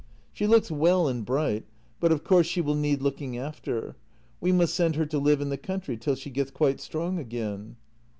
" She looks well and bright, but, of course, she will need looking after. We must send her to live in the country till she gets quite strong again."